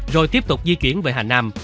rồi tiếp tục di chuyển về hà nam